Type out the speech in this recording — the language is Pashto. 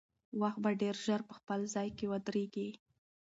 وخت به ډېر ژر په خپل ځای کې ودرېږي.